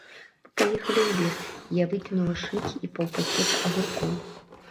Мы паехалі ў лес, і я выкінула шынкі і паўпакета агуркоў.